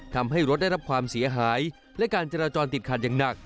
ทำให้รถได้รับความเสียหายและการจราจรติดขัดอย่างหนัก